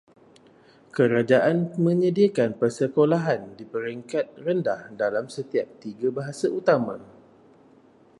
Kerajaan menyediakan persekolahan di peringkat rendah dalam setiap tiga bahasa utama.